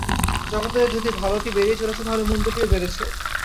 জগতে যদি ভালটি বেড়েই চলেছে, তাহলে মন্দটিও বাড়ছে।